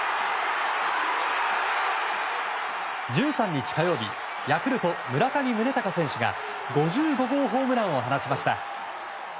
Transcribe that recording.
１３日、火曜日ヤクルト村上宗隆選手が５５号ホームランを放ちました。